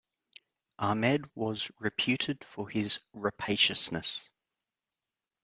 Ahmad was reputed for his rapaciousness.